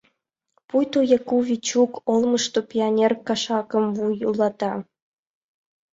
Пуйто Яку Вечук олмышто пионер кашакым вуйлата.